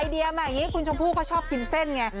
เดียมาอย่างนี้คุณชมพู่เขาชอบกินเส้นไง